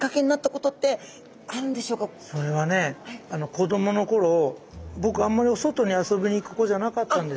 それはね子どもの頃僕あんまりお外に遊びに行く子じゃなかったんです。